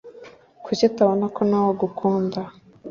Kuki utabona ko nawe agukunda